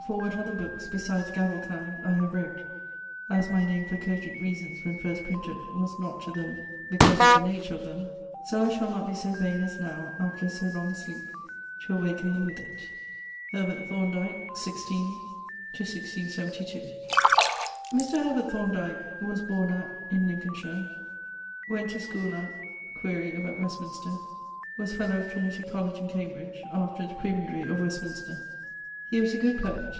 For what other bookes, besides Gavel kind, I have wrote, as my name for cogent reasons when first printed was not to them because of the nature of them, soe I shall not be soe vaine as now, after soe long a sleep, to awaken them with it. =Herbert Thorndyke= (16 1672). Mr. Herbert Thorndyke was borne at ... in Lincolnshire, went to schoole at ... (quaere if at Westminster); ..., was fellow of Trinity College in Cambridge; afterwards prebendary of Westminster. He was a good poet.